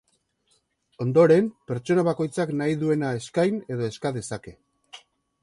Ondoren, pertsona bakoitzak nahi duena eskain edo eska dezake.